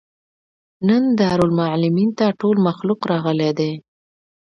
نن دارالمعلمین ته ټول مخلوق راغلى دی.